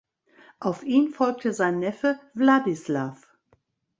Auf ihn folgte sein Neffe Vladislav.